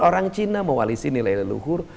orang cina mewarisi nilai leluhur